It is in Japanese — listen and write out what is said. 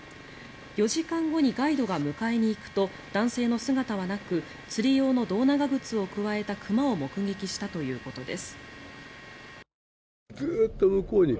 ４時間後にガイドが迎えに行くと男性の姿はなく釣り用の胴長靴をくわえた熊を目撃したということです。